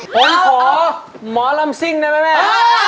ผมขอหมอลำซิ่งนะแม่